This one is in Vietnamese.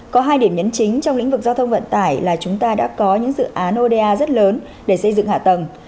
có hai điểm nhấn chính trong lĩnh vực giao thông vận tải là chúng ta đã có những dự án oda rất lớn để xây dựng hạ tầng